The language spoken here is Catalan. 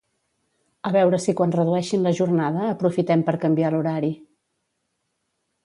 A veure si quan redueixin la jornada aprofitem per canviar l'horari